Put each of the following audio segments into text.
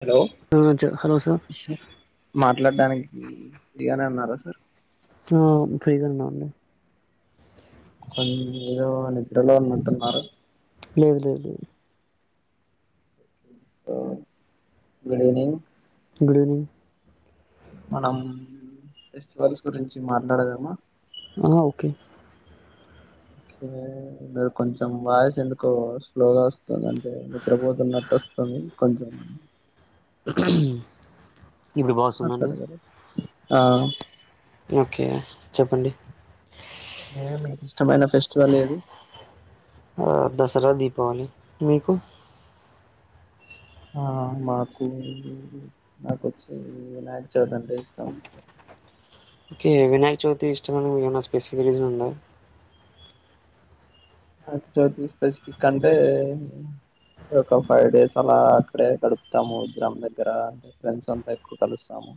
Hello hello sir మాట్లాడానికి free గానే ఉన్నారా సార్ ఆ ఫ్రీగా ఉన్నా అండి కొన్ని ఏదో నిద్రలో ఉన్నట్టు ఉన్నారు లేదు లేదు లేదు గుడ్ ఈవినింగ్ గుడ్ ఈవినింగ్ మనం ఫెస్టివల్స్ గురించి మాట్లాడదామా. ఆ ఓకే మీరు కొంచెం వాయిస్ ఎందుకో స్లోగా వస్తు. స్తుంది అంటే నిద్రపోతున్నట్టు వస్తుంది. కొంచం ఇప్పుడు బాస్తుందండి మాట్లాడగలరా ఆ ఓకే చెప్పండి మీకు ఇష్టమైన ఫెస్టివల్ ఏది సరా దీపావళి మీకు. ఆ మాకు నాకు వచ్చి వినాక్ చవితిదంటే ఇష్టం సార్ ఓకే వినాయక్ చవితి ఇష్టమ ఏమన్నా స్పెసిఫిక్ రీజన్ ఉందా నాకు చో తీకస్కిక్ అంటేంట ఒక ఫైవ్ డేస్ అలా అక్కడే గడుపుతాము ఇద్ద్రాం దగ్గర అంటే ఫ్రెండ్స్ అంతా ఎక్కువ కలుస్తాము.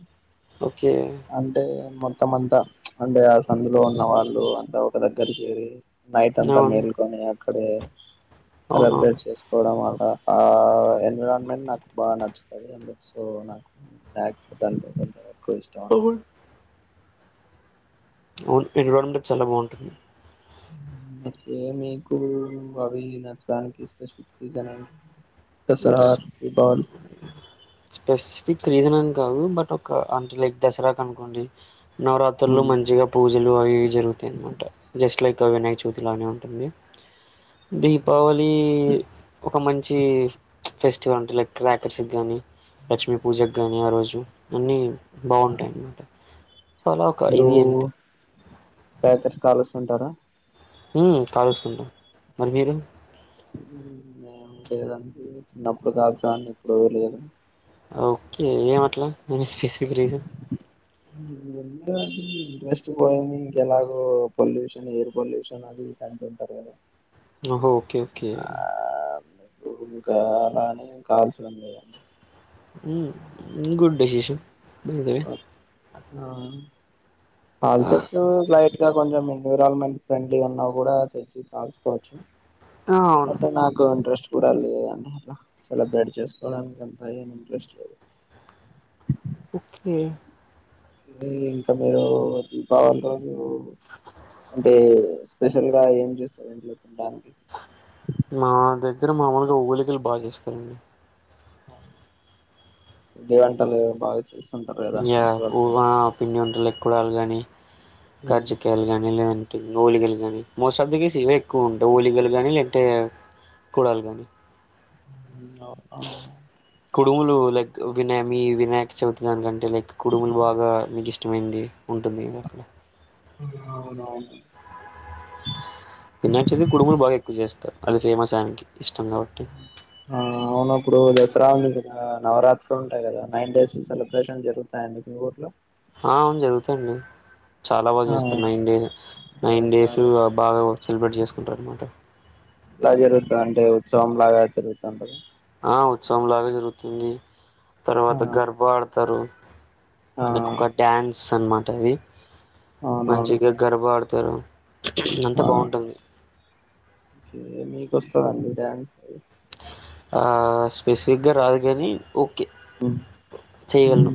ఓకే అంటే మొత్తం మొత్తంమంతా అంటే ఆ సందులో ఉన్న వాళ్ళు అంతా ఒక దగ్గర చేరి. నైట్ అంతా అవును మేల్కనిక అక్కడే సెలబ్రేట్ అవునవును చేసుకోవడం వల్ల ఆ ఎన్విరాన్మెంట్ నాకు బాగా నచ్చుతుది సో నాక్. చ ఇన్వల్మెంట చాలా బాగుంటుంది అంటే మీకు అవి నచ్చడానికి ఇస్త స్క్ంచ తసరార రిబాల ఇక్ రీజన్ అన్ కాదు బట్ ఒక అంటే లైక్ దసరా క అనుకోండి. నవరాత్రులో మంచిగా పూజలు అవివి జరుగుతాయ అన్నమాట జస్ట్ లైక్. వనయ చతిలోనే ఉంటుంది దీపావళి మీ ఒక మంచి ఫెస్టివల్ ఉంటు క్రాకర్స్ గానీ లక్ష్మీ పూజక గం ఆ రోజు అన్ని బాగుంటాయి అన్నమాట సలోకా ఇది అ ప్యాకెట్స్ కాలస్తుంటారా మ్ కాలుస్తుంటాం మరి మీరు ఏమి లేదండి చిన్నప్పుడు కాల్చఅన్ని ఇప్పుడు లేదు ఓకే ఏమట్లా ఫిస్ విక్రీజ ఇంట్రెస్ట్ పోయింది ఇంకెలాగో పొల్యూషన్ ఎయిర్ పొల్యూషన్ అది కంట ఉంటారు కదా హో ఓకే ఓకే ఆ ఇంకా అ రానే కావల్సిన లేదండి [unintelligible] గుడ్ డిషిషు బతే ఆవు హల్చ లాట్ ఇంకా కొంచెం ఎన్విరాన్మెంట్ ఫ్రెండ్లీ ఉన్నా కూడా తెచ్చి కాల్సుకోవచ్చు ఆ! అవును బట్ నాకు ఇంట్రెస్ట్ చూడాలిదంట అట్లా సెలబ్రేట్ చేసుకోవడానికి అంత ఏమి ఇంట్రెస్ట్ లేదు ఉహ్ ఇంకా మీరు బవాల అంటే స్పెషల్ గా ఏం చేస్తారు ఏంతుంటాను మా దగ్గర మామూలుగా ఉలికలు బాగా చేస్తారండి ఇ వంటలు బాగా చేస్త ఊ ప ఉంటలక్కడా ఆల్గా అ కర్జకయాలు గానీ లేదంటే నోలికి మోస్ట్ ఆఫ్ ది గస్ ఇవే ఎక్కువ ఉంటాయి ఓలిగలు గానీ లేంటే కూడలు గానీ అ అవును అవును వినాయ మీ వినాయక చవితి దానికంటే లైక్ కుడుములు బాగా మీకు ఇష్టమైంది ఉంటుంది అవునవును వినాయకచవితి కుడుములు బాగా ఎక్కువ చేస్తారు అది ఫేమస్ ఆయననికి ఇష్టం కాబట్టి ఆ అవును ఇప్పుడు దసరా ఉంది కదా నవరాత్రులు ఉంటాయి కదా నైన్ డేస్ సెలబ్రేషన్ జరుగుతాయండి మీ ఊర్లో ఆ అవును జరుగుతాండి చాలా బాగా ఆ చేస్తారు నైన్ డేస్ నైన్ ఎట్లా డేస్ బాగా సెలబ్రేట్ చేసుకుంటారు అనమాట ఉహాత్సవఓ లాగా జరుగుతుండది ఆ ఉత్సవం లాగా జరుగుతుంది ఆ తర్వాత గర్భ ఆడతారు ఆ ఇకు ఒక డ్యాన్స్ అనమాట ఇది అవునవును మంచిగా గర్వ ఆడతారు ఆ అంతా బాగుంటుంది ఓకే మీకు వస్తదండి డాన్స్ ఆ స్పెసిఫిక్గా రాదు కానీ ఓకే అది చేయ్యగలను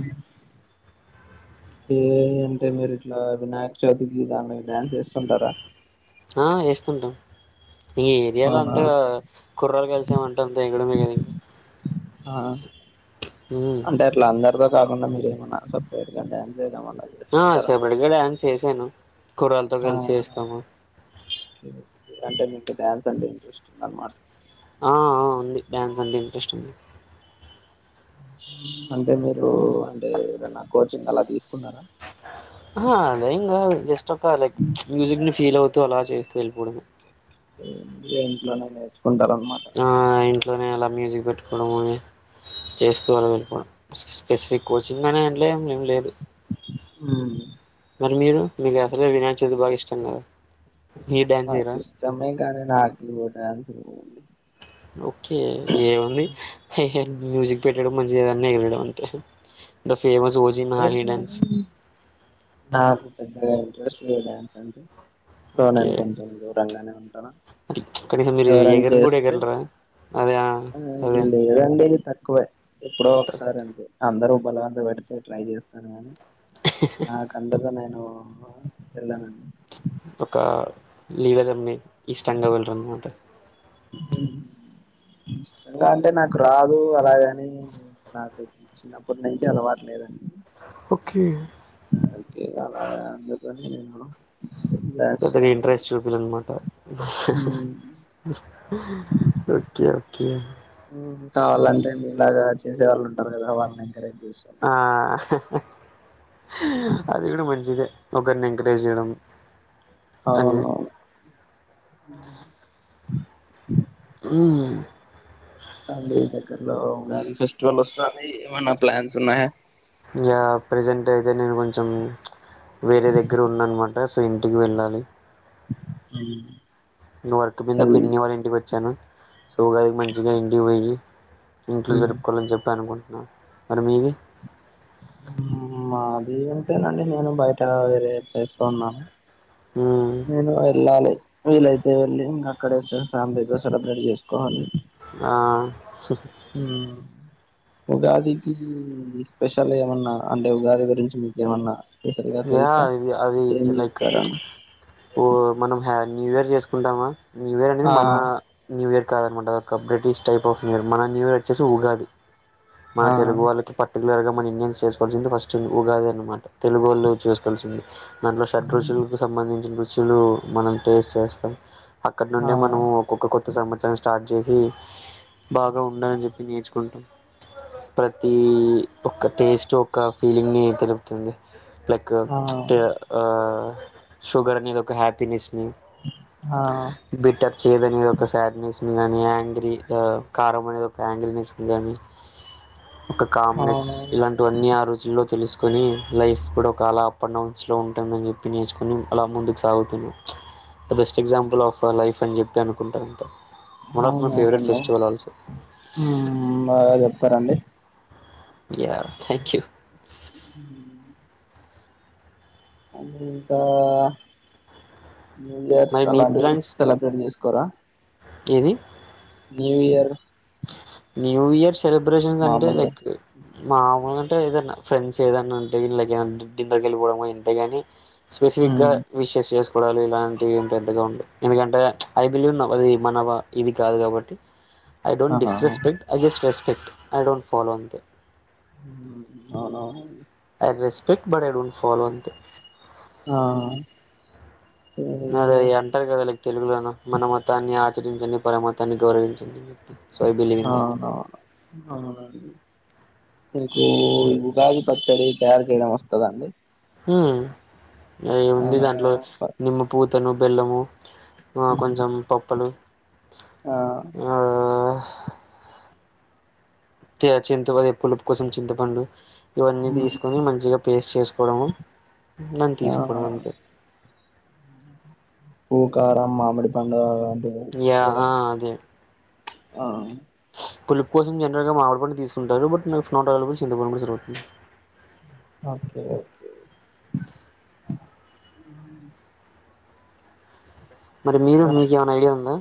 అంటే మీరు ఇట్లా వినాయక చవితికి దా డ్యాన్స్ వేస్తుంటారా. వేస్తుంటాం ఇంక ఏరియాలో అవునా అంత కుర్రాలు కలిసామంటే అంత ఎగడమే కద ఇంకా. ఆ అంటే అట్లా అందరితో కాకుండా మీరు ఏమన్నా సపరేట్ గా డాన్ చేయడం వల్ ఆ సేబడుగాడ అసేసేను కూరలతో ఆ కలిసి వేస్తాము ఓకే ఓకే. అంటే మీకు డ్యాన్స్ అంటే ఇంట్రెస్ట్ ఉంది అనమాట ఆ ఉంది డ్యాన్స్ ఉడి ఇంట్రెస్ట్ ఉంది అ అంటే మీరు అంటే ఏద నా కోచింగ్ అలా తీసుకున్నారా అద ఇంకా జస్ట్ ఒక లైక్ మ్యూజిక్ ని ఫీల్ అవుతు అలా చేస్తూ వెళ్ళిపోవడమే మీ ఇంట్లో నైనేతే ఆ ఇ అంట్లోనే అలా మ్యూజిక్ పెట్టుకోవడడం అని చేస్తూ అలా వెళ్ళిపోవడం స్పెసిఫిక్ కోచింగ్ అనే అంట్లో ఏ ఏం లేదు. ఆ మరి మీరు మీకు అసలే వినా చేది బాగా ఇష్టన్నారు. మయ కనీ నాక న్ ఓకే ఏముంది మ్యూజిక్ పెట్టడం మంచిగా ఏదన్నలడం అంతే. ఫేమస్ ఓజీ మహలి డాన్స్. నా న్ సో ఓకే. నేను కొంచెం దూరంగానే ఉంటాన్నా మరి కనీసం మీరు దూరం ఎగరను గూడా చేస్తే ఎగరలేరా? అదే ఆ! అదే లేదండి. కువే. ఎప్పుడో త ఒకసారి అంతడి అందరు వల వె ట్రై చేస్తారు గానీ నా కందుకనే ఆ ఎలానండి ఒక లీలగాని ఈష్టంగా వెళ్లరు అన్నమాట ఇష్టంగా అంటే నాకు రాదు అలాగని నాకు చిన్నప్పటి నుంచి అలవాటులేదండి. ఓకే. కే కాల అందుకు [unintelligible] పెద్దగా ఇంట్రెస్ట్ చూపిలఅనమాట ఓకే ఓకే ఉ కావాలంటే మీ లాగా చేసే వాళ్ళు ఉంటారు కదా వాళ్ళని ఎంకరేజ్ చేస్తున్నా ఆ అది కూడా మంచిదే ఒకరిని ఎంకరేజ్ చేయడం అవునువును మ్ అండి దగ్గరలో ఫెస్టివల్ వస్తుని ఏమన్నా ప్లాన్స్ ఉన్నాయా ఇక ప్రజెంట్ అయితే నేను కొంచెం వేరే దగ్గర ఉన్నానమాట సో ఇంటికి వెళ్ళాలి మ్ వర్క్ కింద పిన్ని వాళ్ళ ఇంటికి వచ్చాను సోగాడికి మంచిగా ఇండి పోయి ఇంట్లో జరుపుకోవాలని చెప్పి అనుకోం ర మరి మాది అంతేనండి నేను బయట వేరే ప్లేసెలో ఉన్నాను హ్మ్. నేను వెళ్ళాలి వీలైతే వెళ్ళి ఇంకా అక్కడే ఫ్యామిలీతో సెలబ్రేట్ చేసుకోవాలి ఆ ఉగాదికి స్పెషల్ ఏమన్నా అంటే ఉగాది గురించి మీకమన్నా యా అది అది లైక్ చేస్తారని ఓ మనం హ న్యూ ఇయర్ చేసుకుంటామా న్యూ ఇయర్ అనేది ఆ మన న్యూ ఇయర్ కాద అనమాట ఒక బ్రిటిష్ టైప్ ఆఫ్న్యర్ మన న్యూయ వచ్చసి ఉగాది మన ఆ తెలుగు వాళ్ళకి పర్టికులర్ గా మన ఇండియన్స్ చేసుకోవాల్సింది ఫస్ట్ ఉగాది అన్నమాట తె దాంట్లో షడ్రోుజు కు సంబంధించిన చులు మనం టేస్ట్ చేస్తాం అక్కడ ఆ నుండే మనం ఒక్కొక్క కొత్త సంవత్సరం స్టార్ట్ చే ఉ బాగా ఉండాలని జెప్పి నేర్చుకుంటాం ప్రతి ఒక్క టేస్టు ఒక ఫీలింగ్ ని తెలుపుతుంది లైక్ ఆ అంటే ఆ షుగర్ అనెది ఒక హ్యపినెస్ ని ఆ బెటర్ చెయదని ఒక షాక్ న్యుస్ ని గాని యాంగ్రీ కారం అనేది ఒక యాంగ్రీ నేస్ ని గానీ ఒక కామ్నెస్ అవును ఇలాంటివన్నీ ఆ రోజుల్లో తెలుసు కొని లైఫ్ కూడా ఒక అలా అప్ అండ్ డౌన్స్ ఉంటుందని జొప్పి నేర్చుకొని అలా ముందుకు సాగుతున్నాం the best example of life అని జెప్పి అనుకుంటారు అంత అవునవును అండి బాగా జెప్పారు అండి యా థ్యాంక్ యూ హ అండ్ ఇంకా న్యూ యర్స్ మరి మీ అలాంటివి ప్లాన్స్ సెలబ్రేట్ చేసుకోరా ఏది న్యూ యర్ న్యూ యర్స్ ని సెలబ్రేషన్స్ అంటే మామూలుగా లైక్ మామొల అంటె ఏదన్నా ఫ్రెండ్స్ ఏదన్నా అంటే గిన లైక్ ఏదన్నా డిన్నర్ కి వెళ్ళిపోవడమొ ఇంతే గాని స్పెసిఫిక్ గా విషెస్ చేస్ [unintelligible] ఇలాంటివి ఏం పెద్దగా ఉండవ్ ఎందుకంటే ఐ బిలీవ్ అది మన ఇది కాదు కాబట్టి ఐ డోంట్ ఆహా [unintelligible] ఫెక్ట్ ఐడోంట్ ఫాలో అంతే అవునవును I respect but I don't follow అంతే ఆ మరి అంటారు గదా తెలుగులోను మన మతాన్ని ఆచరించండి పరమతాన్ని గౌరవించండి so I believe in that అవునవును అవునండి మీకు ఉగాగి పచ్చడి తయారు చేయడం వస్తద అండి అ ఏముంది అవునా దాంట్లో నిమ్మ పూత్ తను బెల్లము కొంచెం పప్పులు ఆ ఆ తే అది చింత పదే పులుపు కోసం చింతపండు ఇవన్నీ తీసుకుని మంచిగా పేస్ట్ చేసు కొవడం దాన్ని ఆ తీసుకోవడం అంతే ప్పు కారం మామిడి పండు అ యా ఆ అదే ఆ పులిప్ కోసం జనరల్ గా మామీడి పండు తీసుకుంటారు బట్ నాకు ఫోట్ అవైలబుల్ చె కూడా జరుగుతుంది ఓకే ఓకే మరి మీరు ఇంకా మీకేమైనా ఐడియా ఉందా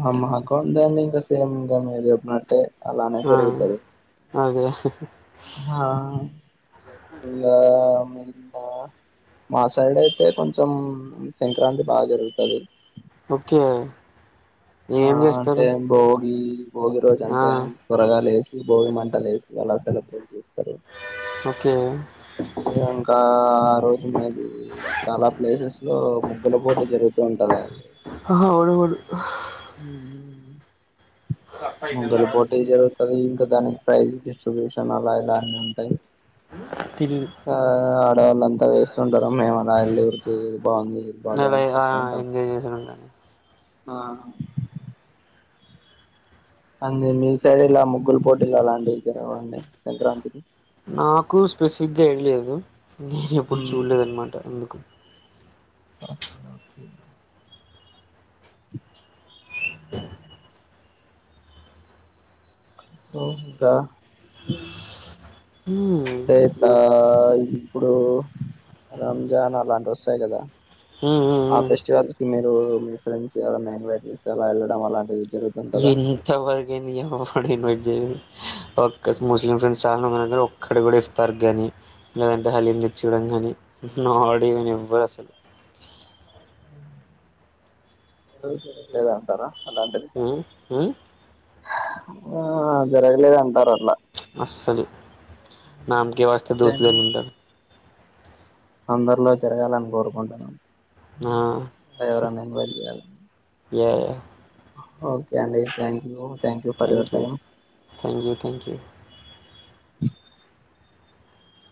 ఆ మాకు ఉందన్ని సేమ్ గ మీర్ చెప్పినట్టే అలానే ఆ, జరుగుతది అదే హా ఇంగ మా సైడ్ అయితే కొంచెం సంక్రాంతి బాగా జరుగుతది ఓకే ఆ ఏం చేస్తారు అంటే బోగి భోగి రోజు ఆ, అంటే అ త్వరగా లేస్ భోగి మంటలు వేసి అలా సెలబ్రేట్ చేస్ ఓకే ఇంకా ఆ రోజు మీది చాలా ప్లేసెస్ లో ము ముగ్గుల పోటి జరుగుతు ఉంటదా ఆహ అవునవును హ ముంగల పోటి జరుగుతది క దాని ప్రైజ్ డిస్ట్ర్రిబ్యూషన్ అలా ఇలా అన్ని ఉంటాయి తిరిగి ఆ ఆడవాళ్ళు అంతా వేస్తుంటారు మేము ఎల్ళ ఊరికి ఏది బాగుంది ఏది బాలేదు అలా అని ఆ, చూస్తూ ఉంటాం ఎంజాయ్ చేశాను కానీ ఆ ది మీ సైడ్ ఎలా ముగ్గుల పోటీలు అలాంటివి జరగవ అండి సంక్రాంతికి నాకు స్పెసిఫిక్ గా ఎళ్లేదు నేను ఎప్పుడు మ్మ్ చూడలేదనమాట అందుకు ఆ తో కా హు ఆ ఇప్పుడు రంజాన్ అలాంటి వస్తాయి కదా హు మ్ హు ఆ ఫెస్టివల్స్ మీరు మీ ఫ్రెండ్స్ ఎవరన్నా ఇన్వైట్ చేసరా వెళ్ళడం అలాంటివీ ఇంతవరకు ఎవ్వడు ఇన్వాయిట్ ఒ ముస్లిం ఫ్రెండ్స్ చాల ఒక్కడ కూడా ఇఫ్తార్ కాగానీ లేదంటే హలీం తెర్చకోడం కానీ నాడ ఇవని ఎవ్వరు అసలు లేద అంటారా అలాంటిది హ్మ్, హ్మ్. ఆ జరగలేద్ అంటారు అట్లా అసలు నాంకే వస్ సర్లేండి దోస్తుగాళ్ళు ఉంటారు అందరిలో గాలని కోరుకుంటున్నాను ఆ మ్మ్ ఎవరన్న ఇన్వైట్ చెయ్యాలా ఏ ఓకే అండి thank [unintelligible] thank you for your time thank you thank you